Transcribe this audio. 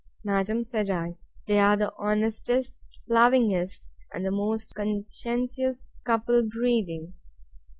Madam, said I, they are the honestest, the lovingest, and the most conscientious couple breathing.